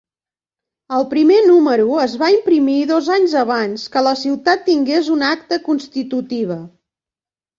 El primer número es va imprimir dos anys abans que la ciutat tingués una acta constitutiva.